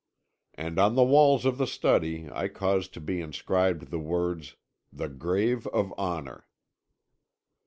And on the walls of the study I caused to be inscribed the words 'The Grave of Honour.'